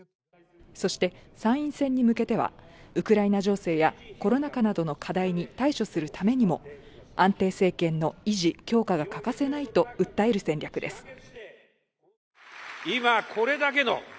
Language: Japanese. そして、参院選に向けてはウクライナ情勢やコロナ禍などの課題に対処するためにも安定政権の維持・強化が欠かせないと訴える戦略です。